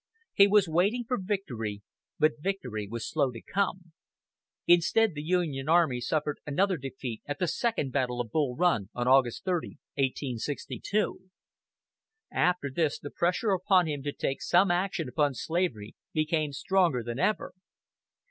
He was waiting for victory, but victory was slow to come. Instead the Union army suffered another defeat at the second battle of Bull Run on August 30, 1862. After this the pressure upon him to take some action upon slavery became stronger than ever.